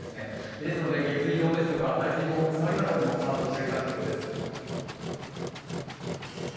ですので下水道ですとか排水溝の詰まりにも注意が必要です。